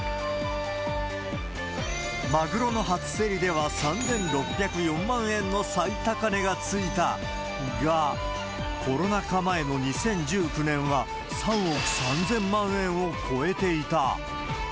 マグロの初競りでは、３６０４万円の最高値がついたが、コロナ禍前の２０１９年は、３億３０００万円を超えていた。